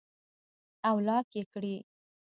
او لاک ئې کړي